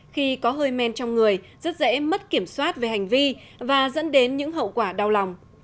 khi có hơi men trong người rất dễ mất kiểm soát về hành vi và dẫn đến những hậu quả đau lòng